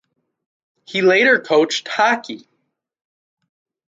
He later coached hockey.